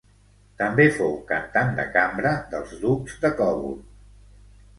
També fou cantant de cambra dels ducs de Coburg.